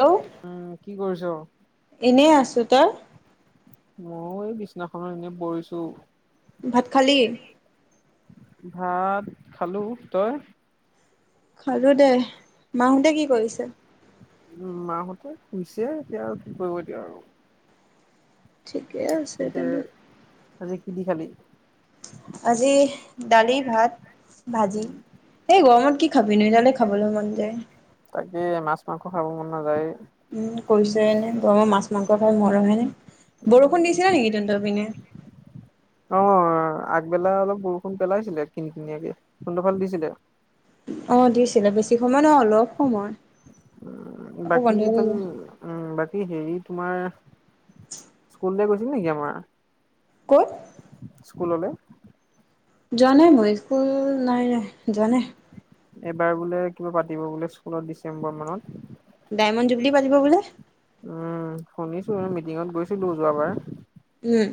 Hello um, কি কৰিছ? এনেই আছোঁ তই ময়ো এই বিছনাখনত এনেই পৰিছো। ভাত খালি? ভাত খালো। তই? খালো দে, মাহোতে কি কৰিছে? উ মাহতে শুইছে এতিয়া আৰু কি কৰিব এতিয়া আৰু। ঠিকে আছে তেন্তে। আজি কি দি খাবি? আজি দালি ভাত। ভাজি, এই গৰমত কি খাবিনো এদালে খাবলে মন যায়। তাকে মাছ মাংস খাব মন নাযায়ে। উম, কৈছেহে গৰম মাছ মাংস খোৱা মজা বেলেগ। উম, বৰষুণ দিছিলে নেকি তন্তপিনে? অ। অ, আগবেলা অলপ বৰষুণ পেলাইছিলে কিন কিনিয়াকে, তন্ত ফালে দিছিলে? অ, দিছিলে বেছি সময় নহয় অলপ সময়। উম, আকৌ বাকী বন্ধ হৈ তোম গ'ল। উম, বাকী হেৰি তোমা স্কুললে গৈছিলি নেকি আমাৰ? ক'ত? স্কুললে। যোৱা নাই মই স্কুল নাই, নাই যোৱা নাই। এবাৰ বোলে কিবা পাতিব বোলে স্কুলত ডিচেম্বৰ মানত? ডায়মণ্ড জুবলি পাতিব বোলে। উম, [unintelligible] মিটিঙত গৈছিলো যোৱাবাৰ। উম।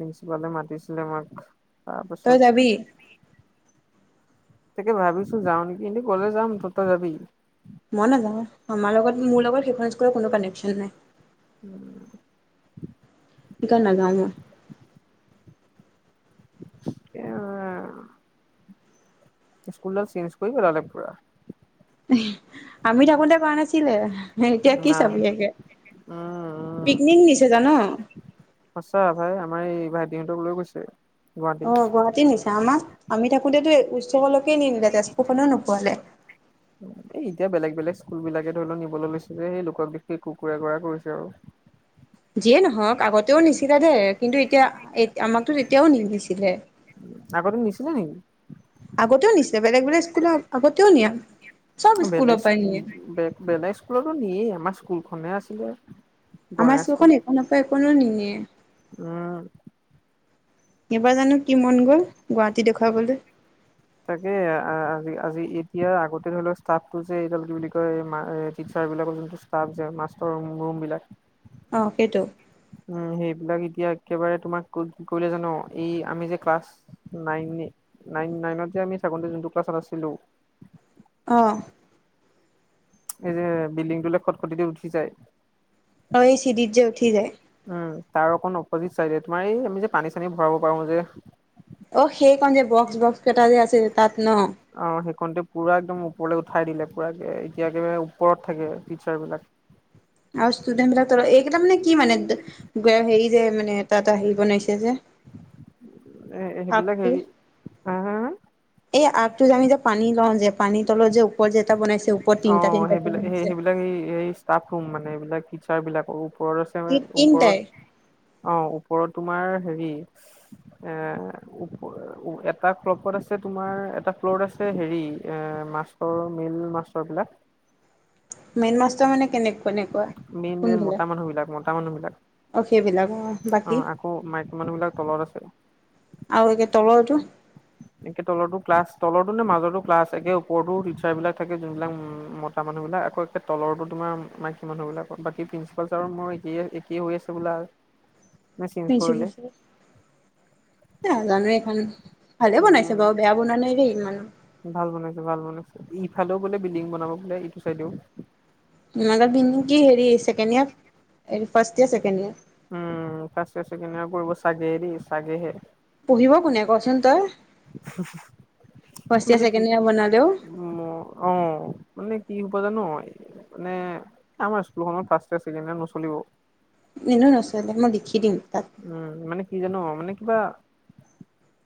প্ৰিন্সিপালে মাতিছিলে আমাক তই যাবি? তাৰপাছত তাকে ভাবিছো যাওঁ নেকি কিন্তু গলে যাম ত-তই যাবি? মই নাযাওঁ। আমাৰ লগত মোৰ লগত সেইখন স্কুল কোনো কানেকশ্যন নাই। উম, কা নাযাও মই। তাকে আৰু [unintelligible] স্কুলডাল চেঞ্জ কৰি পেলালে পূৰা। আমি থাকোঁতে কৰা নাছিলে, এতিয়া কি নাই চাবি একে। উম উম পিকনিক নিছে জান? সঁচা ভাই আমাৰ এই ভাইটিহঁতক লৈ গৈছে। গুৱাহাটী অ, গুৱাহাটী নিছে, আমাক আমি থাকোতেতো এক ওচলৈ নিনিলে তেজপুখনো নোফুৱালে। এই এতিয়া বেলেগ বেলেগ স্কুল বিলাকে ধৰি ল, নিবলৈ লৈছে যে সেই লোকক দেখি কুকুৰা কৰা কৰিছে আৰু। যিয়ে নহওঁক আগতেও নিছিলে দে কিন্তু, এতিয়া এইট আমাকতো তেতিয়াও নিদিছিলে। আগতেন নিছিলে। নেকি আগতেও নিছে বেলেগ বেলেগ স্কুলৰ আগতেও নিয়ে। চব স্কুলৰ বেলেগ পৰাই স্কুল, নিয়ে বেলেগ স্কুলতো দিয়েই, আমাৰ স্কুলখনহে আছিলে। আমাৰ গঞা স্কুল স্কুলখন একোন পৰা একোনি নিয়ে। উম। কিবাৰ জানো কি মন গ'ল। গুৱাহাটী দেখুৱাবলৈ তাকে আজি আজি ঈদ। এতিয়াৰ আগতে ধৰি লওক ষ্টাফ টো যে এইডাল কি বুলি কয় টিচাৰ বিলাকৰ যোনটো ষ্টাফ যে মাষ্টৰৰুম। বিলাক। অ কেইটো। উ সেইবিলাক এতিয়া একেবাৰে তোমাক কি কৰিলে জানো এই আমি যে ক্লাছ নাইন। নাইন নাইন আমি চাবলৈ জোনটোৰ ক্লিলাচত আছিলো। আহ। এই যে বিল্ডিংটোলে খটখট দি উঠি যায়। অ'! এই চিৰিত যে উঠি যায়। উম তাৰ অকণ অপজিত চাইডে তোমাৰ এই আমি যে পানী চানী ভৰাব পাৰো যে। অ'! সেইকন যে, বক্স-বক্স কেইটা যে, আছে যে, তাত ন'। অ সেইকণতে পুৰা একদম ওপৰলৈ উঠাই দিলে পুৰা এতিয়াকে ওপৰত থাকে টিচাৰ্ছ বিলাক। আৰু ষ্টুডেন্ট বিলাক তলত এইকেইটা মানে কি মানে হেৰি যে মানে তাত আহি বনাইছে যে। এ, সেইবিলাক আৰ্টটো সেৰি এই আগটো যে আমি যে পানী লওঁ যে পানী তলত যে ওপৰ যে এটা বনাইছে। ওপৰত অ তিনটা তিনটাকে সেইবিলাক বনাইছে সেইবিলাক এই ষ্টাফ। ওপৰত আছে ওপৰত। তিনটাই অ ওপৰত তোমাৰ হেৰি এ এটা ফ্লপত আছে। তোমাৰ এটা ফ্লত আছে হেৰি এ মাচটৰ মেন মাছটৰ বিলাক। মেইন মাষ্টৰ মানে কেনেক কেনেকুৱা মেইন মেইন মতা কোনবিলাক মানুহ বিলাক মতা মানুহ বিলাক। অ সেইবিলাক অ অ বাকী আকৌ মাইকী মানুহ বিলাক তলত আছে। আৰু কে তলতো। এনেকে তলো ক্লাছ তলৰতো নে মাছটো ক্লাছ। একে ওপৰতো টিচাৰ বিলাক থাকে যোনবিলাক উ মতা। মানুহ বিলাক আকৌ একে। তলৰো তোমাৰ মাইকী মানুহ বিলাক বাকী প্ৰিন্ঞ্চিপাল ছাৰ মোৰ একেই একেই হৈ আছে বোলা। [unintelligible] চেঞ্জ [unintelligible] আহ কৰিলে নাজানো এখন। ভালে বনাইছে উম বাৰু বেয়া বন নাই দেই ইমাননো। ভাল বনাইছেো ভাল বনাইছে ইফালেও বোলে বিল্ডিং বনাব বোলে ইটো চাইডেও। ন্ কি হেৰি second year first year second year. Um first year second year কৰিব চাগে দে চাগেহে। পঢ়িব কোনে, ক'চোন তই? ফাৰ্ষ্ট ইয়েৰ মানে কি ছেকেণ্ড ইয়েৰ বনালেও উ অ মানে কি। জানো মানে আমাৰ স্কুলত ফাষ্ট ইয়েৰৰ ছেকেণ্ড ইয়েৰ নচলিব। এনে নচ মই দেখি দিম তাক। উম মানে কি জানো মানে কিবা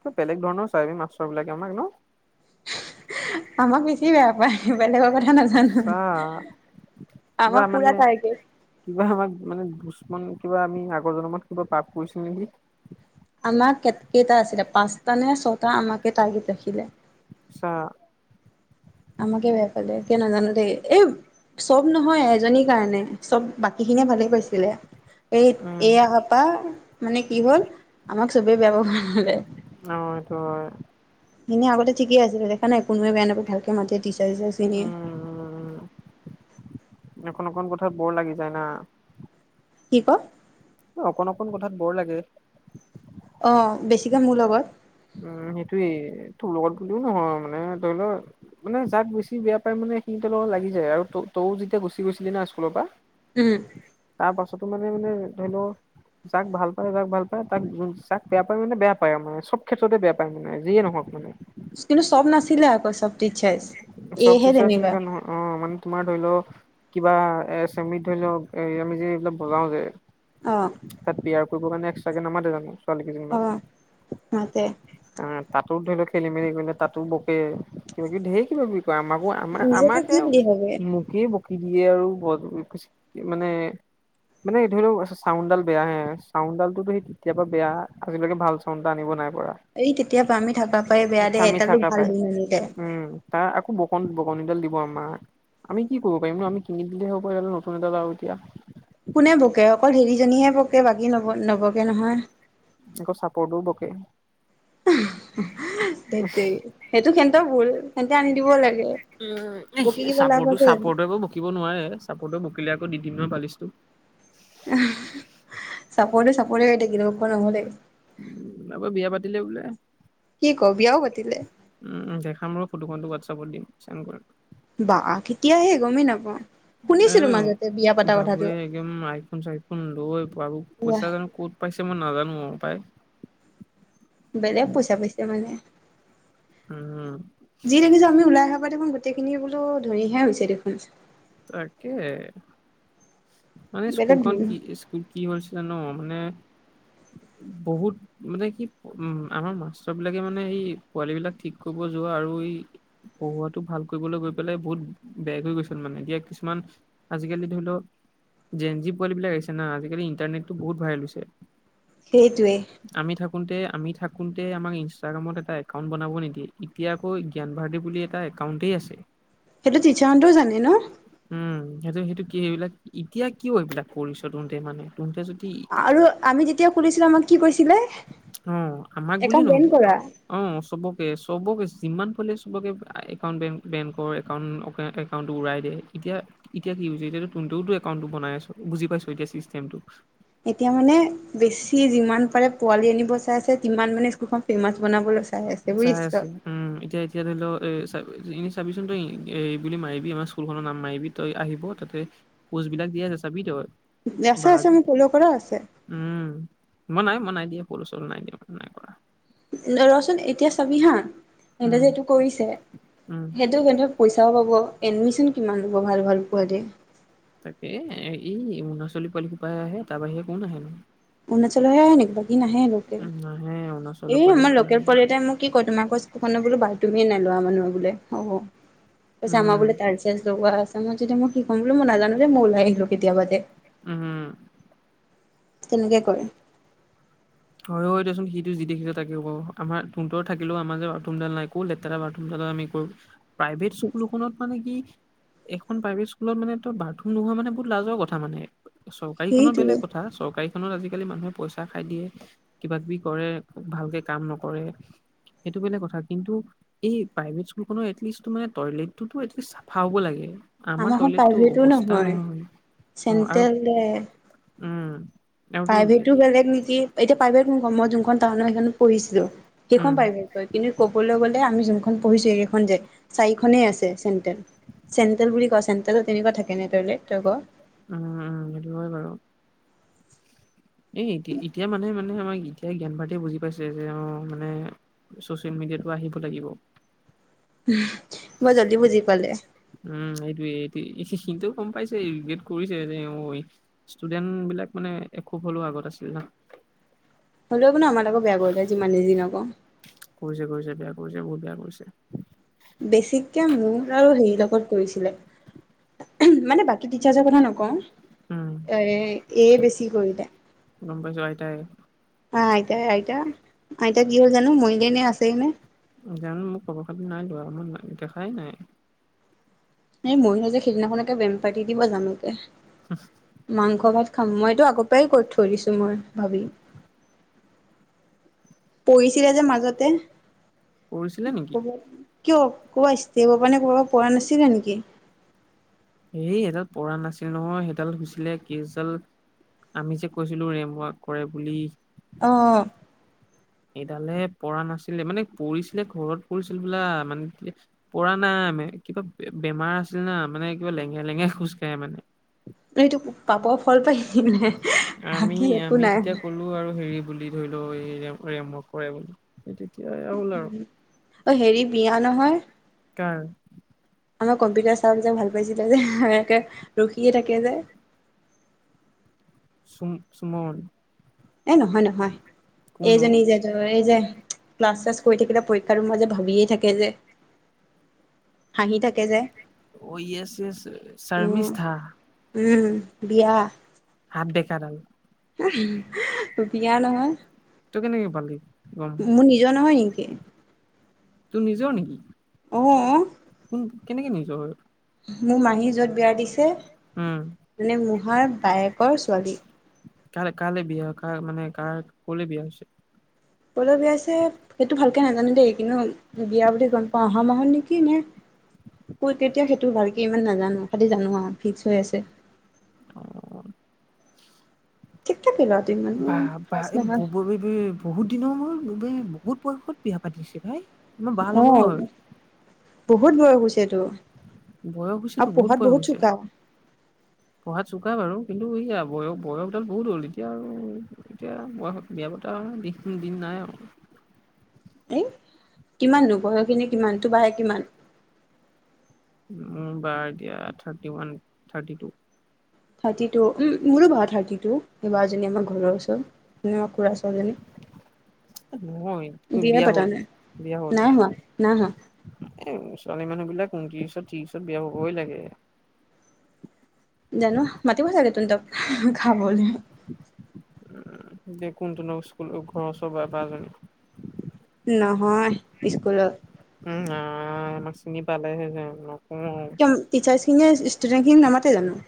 কিব বেলেগ ধৰণৰ চাইভিন মাষ্টৰ বিলাকে আমাক ন। আমাক বেছি বেয়া পায়, বেলেগৰ কথা নাজানোঁ। সঁচা কিবা মানে কিবা আমাক মানে বস্ত। কিমান কিবা আমি আগৰ জন্মত কিবা পাপ কৰিছো নেকি? আমাক কেই-কেইটা আছিলে! পাঁচটা নে ছটা। আমাকে টাৰ্গেট ৰাখিলে। ছা। আমাকে বেয়া পাল কে ন জানো দেই এই। চব নহয়, এজনীৰ কাৰণে। চব, বাকী খিনিয়ে ভালেই পাইছিলে। এই উম এয়াপা মানে কি হ'ল। আমাক চবেই বেয়া পাব নহ'লে। ত এনেই আগতে ঠিক আছিলে দেখাাইোনোৱ বেয়ানকো ভাল মাতে িচাৰ চিচাৰ চিনিয় উম কোনো অকণ কথাাত বৰ লাগি যায় না কি ক অকণ-অকণ কথাত বৰ লাগে। অ বেছিকৈ মোৰ লগত উম সেইটোয়েই তোৰ লগত বুলিও নহয় মানে ধৰি লও মানে যাক বেছি বেয়া পায় মানে সখিনি ত লগত লাগি যায় আৰু তও যেতিয়া গুচি গৈছিলি ন স্কুলৰ পৰা উম তাৰ পাছতো মানে মানে ধৰি লও যাক ভাল পায় যাক ভাল পায় তাক যাক বেয়া পায় মানে বেয়া পায় আৰু মানে চব ক্ষেত্ৰতে বেয়া পায় মানে যিয়ে নহওক মানে কিন্তু চব নাছিলে আকৌ চব টিচাৰ্চ চব এহে চিচাৰ তেনেকুৱা এনেকা নহয় অ' মানে তোমাৰ ধৰি লও, কিবা এ চেমিত ধৰি লওক এ আমি যে এইবিলাক বজাও যে অ তাত বিয়াৰ কৰিব কাৰণে একসট্ৰে নামাতে জানো ছোৱালী অ মতে অ তাতো ধৰি লও খেলি মেলি কৰিলে তাতো বকে কিবা কিবি ধঢেৰ কিবা ত আমাকো আমাৰ নিজকে আমাকে কি বুলি ভাবে মুকি দিয়ে আৰু মানে মানে ধৰি লও চাউণ্ডাল বেয়াাহে চাউণ্ডালোতো সেই তেতিয়াবা বেয়া আজিলৈকে ভাল চাউনড এটা আনিব নাই এই তেতিয়া পৰা আমি থাকা পাই বেয়া দে থামি এডালো থকা ভাল পাই হেৰি নানিলে উম তাৰ আকৌ বকন বকনিডাল দিব আমাৰ আমি কি কৰিব পিম ন আমি কঙি দিলে হ'বাৰিলে নতুন এটাাদা আৰু এতিয়া কোনে বকে অকল হেৰিজনীহে পকে বাকী নব নবকে নহয় আকৌ চাপৰ্টো বকে সট সেইটো সহন্ত ভুল সেহতে আনি দিব লাগে উ বকি কিবা লাভ চাপৰটো আছে জানো চাপৰটো একো বকিব নোৱাৰে চাপৰটোো বকিলে আকৌ দুদিন পালি [unintelligible] চাপট চাপট ক থ কি নহলে উাপ বিয়া পাতিলে বোলে কি ক বিয়াও পাতিলে উম জেখা মোৰ ফটোখনো হোৱাটছপত দিম চেড কৰিম বা কেতিয়াহে গমেই নাপাওঁ এন শুনিছিলো মাজতে বিয়া পতা কথাটো বাবুৱে একদম আইফোন চাইফোন লৈ বাবু ৱাহ পইচা জানো ক'ত পাইছে মই নাজানো আৰু নাপায় বেলেগ পইচা পাইছে মানে উম, যি দেখিছো আমি ওলাই আহহাবা দেখোন গোটেইখিনি বোলো ধুনহে হৈছে দেখোনচোন তাকে মানে বেলেগ স্কুলখন ধনী কি স্কুল কি হছ জানো মানে বহুত মানে কি উ আমাৰ মাষ্টৰ বিলাকে মানে এই পোৱালী বিলাক ঠিক কৰিব যোৱা আৰু আৰু পঢ়ুৱটো ভাল কৰিবলৈ গৈ পেলাই বহুত বেগ হৈ গৈছে মানে এতিয়া কিছুমান আজিকালি ধৰি লও জেন জি পোৱালি বিলাক আহিছে না আজিকালি ইণ্টাৰনেটটো বহুত ভৰাল হৈছে সেইটোৱে আমি থাকোতে আমি থাকোতে আমাক ইনষ্টাগ্ৰামত এটা একাউণ্ট বনাব নিদিয়ে এতিয়া আকৌ জ্ঞান ভাৰ্থী বুলি এটা কাউণ্ট আছে সেইটো তিচাহন্তও জানে ন উম সেইটো সেইটো কি এইবিলাক এতিয়া কিয় এইবিলাক কৰিচ তওঁতে মানে তহঁতে যদি আৰু আমি যেতিয়া খুলিছিলো আমাক কি কৈছিলে অ, আমাক বুলি একাউণ্ট নহ বেন কৰা অ, চবকে - চবকে যিমান চবকে একাউট বে বেংকৰ একাউ একাউ উৰাই দে এতিয়া - এতিয়া কি হৈছে এতিয়া তোনতেওটো একাউণ্টটো বনাই আছ বুজি পাইছ এতিয়া চিষ্টেমটো। এতিয়া মানে বেছি যিমান পাৰে পোৱালি আনিব চাই আছেমান মানে স্কুলখন ফেমাচ বনাব লৈ চাই আছো উম, এতিয়া এতিয়া ধৰি লও এ এনে চাবিচোন তই এই বুলি মাৰিবি আমাৰ স্কুল খনৰ নাম মাৰিবি তই আহিব তাতে পষ্টবিলাক দিয়া চাবি তই। আছে বা - আছে যে মোৰ পলিৱ কৰা আছে। উম মই নাই মই নাই দিয়া পল চল নাই দিয়া নাই কৰা। ৰচোন এতিয়া চাবি হা সন্তে উম যে এইটো কৰিছে উম সেইটো সন্তে পইচাও পাব এডমিশ্যন কিমান ল'ব ভাল ভাল পোৱালী। তাকে এই ই অৰুণাচলী পোৱালি সোপাই আহে তাৰ বাহিৰে কোন আহে নহয়। অৰুনাচলৰ আহে নেক বাকী নাহে লোকে উম নাহে এ অৰুণাচলৰ পোৱালি আমাৰ সোপা আহে লোকেল পোৱালি এটাই মোক কি কয় তোমাৰকৌ বো বাই তুমিয়ে নাই লোৱা মানুহ বোলে অ, পছে আমাৰ উম বোলে তাৰ চেনছ লগোৱা আছে ম যেতিয়া মই কিকম বোলো মই নাজানো দে মই ওলাই আহিলো কেতিয়াবা তে। উম তেনেকে কৰে। হয় - হয় দেচোন সিটো যি দেখি তাকিব আমাৰ তহতৰত থাকিলেও আমাৰ যে বাথৰুমডাল নাই একৌ লেতেৰা বাাৰথৰুমডাল। আমি কৰ প্ৰাইভেট স্কুল খত মানে কি এখন প্ৰাইভেট স্কুলত মানে তই বাথৰুম নোহোৱা মানে বহুত লাজৰ কথা মানে। চৰকাৰী খনৰ সেইটোৱে বেলেগ কথা চৰকাৰী খনত আজিকালি মানুহে পইচা খাই দিয়ে। কিবা কিবি কৰে ভালকে কাম নকৰে। সেইটো বেলেগ কথা কিন্তু এই প্ৰাইভেট স্কুলনৰ এলিষ্ট মানে টয়লেটতো এিষ্ট চাফা হ'ব লাগে। আমাৰ টয়লেটটো অৱস্থা নহয় অ, আৰু চেণ্ট্ৰেল উম আৰু তোৰ প্ৰাইভেতটো বেলেগ নেকি এতিয়া প্ৰাইভেট নহয় মই যোনখন টান সেইখনত পঢ়িছিলো। উম কিখন পাই ভাল কয় কিন্তু ক'বলৈ গ'লে আমি যোনখন পঢ়িছো এইখন যে চাৰিখনে আছে চেন্টেল। চেণ্টেল বুলি কয় চেণ্টেলত তেনেকুৱা থাকে নে তইলেট তই ক? উম - উম সেইটো হয় বাৰু। এ এতিয়া এতিয়া মানে মানে আমাক এতিয়া জ্ঞান ভাৰীয়ে বুজি পাইছে যে অ' মানে চচিয়েল তেটো আহিব লাগিব। ব জলদী বুজি পালে। সিটো গম পাইছে কৰিছে যে ষ্টুডেণ্ট বিলাক মানে এসোব হলেও আগত আছে। [inaudible] হ'লেওব নো আমাৰ আকৌ বেয়া কৰিলে যিমান নিজিনকৌ। কিবা কৰিছে। বেছিককে মোক আৰু হেৰি লগত কৰিছিলে মানে বাকী টিচাৰ্জৰ কথা নকওঁ উম, এ - এ বেছি কৰিলে। গম পাইছো আইতাই অ' আইতাই আইতা আইতা কি হ'ল জানো মই জানো মোক খবৰ খতি নাই কৰা মই দেখাই নাই। এই মৰিলে যে সিদিনাখনকে বেম পাতি দিব জামকে মাংস ভাত খাম মইতো আগৰ পৰাই কৈ থৈ দিছো মই ভাবি। পৰীছিলে যে মাজতে কৰিছিলে নেকি? কিয় ক'বা স্তিমৰ কাৰনে কৰিব পৰা নাছিল নেকি? এই সডাল পঢ়া নাছিল নহয় সেইডাল হৈছিলে কিডাল আমি যে কৈছিলো ৰেম্পৱাক কৰে বুলি। অ'অ। এডালে পৰা নাছিলে মানে পৰিছিলে ঘৰত পৰিঢছিল হোবোলা মানে পৰাঢ় নাই। কিবা বেমাৰ আছিল না মানে কিবা লেঙে লেঙেৰা খোজকাঢ়ে মানে। এইটো পাপৰ ফল পায় আমি, আমি তেতিয়া কলো আৰু হেৰি বুলি ধৰি লও এই ৰেম ৰেম অক কৰে বুলি। সেইটো অ' হেৰি বিয়া নহয়। কাৰ? আমাৰ কম্পিউটাৰ চাৰক যে ভাল পাইছিলে যে, কে ৰখিয়ে থাকে যে চুম-চুমন এ নহয় নহয়। কোন অ? এইজনী যে এই যে ক্লাছ- চাছ কৰি থাকিলে, পৰীক্ষাটো মাজে ভাবিয়ে থাকে যে। হাঁহি থাকে যে অহ' য়েছ য়েছ শাৰমিছ উম থা উম, বিয়া। হাত বেঁকাডাল। [unintelligible] বিয়া নহয়। তই কেনেকে পালি? গম মোৰ নিজৰ নহয় নিকি? তোৰ নিজৰ নেকি? অ', কোন, কেনেকে নিজৰ হয়? মোৰ মাহী য'ত বিয়া দিছে, উম মানে মূহাৰ বায়েকৰ ছোৱালী। কাল, কাললৈ বিয়া কাৰ মানে কাৰ, কলে বিয়া হৈছে। কলৈ বিয়াইছে সেইটো ভালকে নাজানো দেই কিন্তু বিয়া বুলি গম পাওঁ অহা মাহত নেকি নে? তোৰ কেতিয়া সেইটো ভালক ইমান নাজানো খালি জানো আও ফিক্স হৈ আছে। অ ঠিক ঠাকে ল'ৰাটো ইমানো বা, বা! খাচ নহয় [unintelligible] বহুত দিনৰ মূৰত [unintelligible] বহুত বয়সত বিয়া পাতিছে পাই! আমাৰ বা লগৰ হয়। বহুতয ভয় গছে বয়স হৈছেতো বহুত বয়স হৈছে পঢ়াত চোকা বাৰু কিন্তু ইয়া- বয়স, বয়সডাল বহুত হ'ল এতিয়া আৰু এতিয়া বয়সত বিয়া পতা দিশ, দিন নাই আৰু [inaudible] এ, কিমাননো বয়স খিনি কিমান তো বায়ে কিমান? মোৰ বাৰ এতিয়া thirty one, thirty two thirty two, উ মোৰো বা থাৰ্টি টু মোৰ বা জনী আমাৰ ঘৰৰ ওচৰত খুৰা ছজনী নহয়, কৈ বিয়া হ'ল, বিয়া হ'ল। নাই হোৱা, নাই হোৱা। এই ছোৱালী মানুহ বিলাক উন্ত্ৰিছত, ত্ৰিশত বিয়া হবই লাগে। জানো, মাতিব থাকে তন তক খাবলে। যে কোনটোন স্কুল ঘৰৰ ওচৰৰ বাইপাজনী নহয়, স্কুলত। উম আমাক চিনি পালেহে যে ন টিচাৰ্ছখিনেয়ে ষ্টুডেণ্টখিন নামাতে জানো?